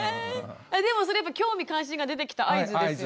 でもそれやっぱ興味関心が出てきた合図ですよね？